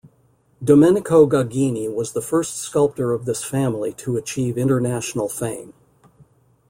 Domenico Gagini was the first sculptor of this family to achieve international fame.